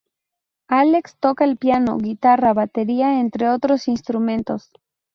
Alex toca el piano, guitarra, batería, entre otros instrumentos.